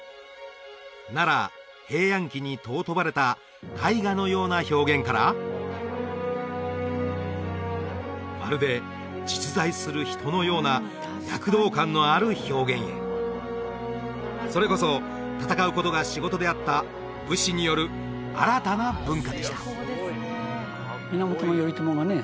奈良平安期に尊ばれた絵画のような表現からまるで実在する人のような躍動感のある表現へそれこそ戦うことが仕事であった武士による新たな文化でした源頼朝がね